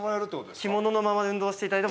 ◆着物のままで運動していただいても